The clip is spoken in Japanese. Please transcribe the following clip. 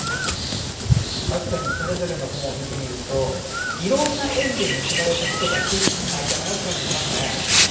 確かにそれぞれの本を見てみるといろんな縁で結ばれた人たち間柄という感じがしますね。